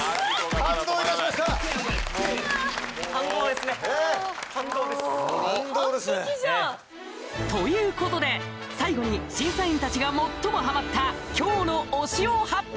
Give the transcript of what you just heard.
感動ですねということで最後に審査員達が最もハマった今日の推しを発表